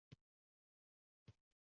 Umuman, mamlakat, yurtning bir boʻlagi